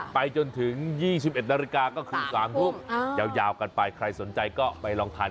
ไปจนถึง๒๑นาฬิกาก็คือ๓ทุ่มยาวกันไปใครสนใจก็ไปลองทาน